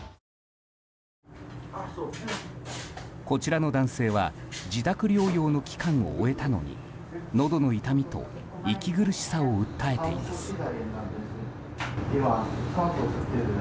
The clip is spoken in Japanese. こちらの男性は自宅療養の期間を終えたのにのどの痛みと息苦しさを訴えています。